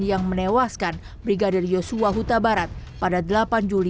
yang menewaskan brigadir joshua hutabarat pada delapan juli dua ribu dua puluh